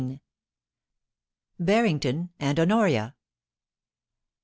BARRINGTON AND HONORIA.